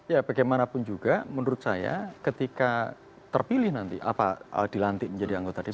ya bagaimanapun juga menurut saya ketika terpilih nanti apa dilantik menjadi anggota dpr